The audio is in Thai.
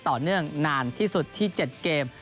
ต่อเนื่องนานที่สุดที่๗เกม